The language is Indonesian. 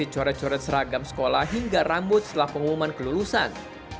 mereka menanggung aksi coret coret seragam sekolah hingga rambut setelah pengumuman kelulusan